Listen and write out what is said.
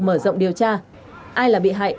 mở rộng điều tra ai là bị hại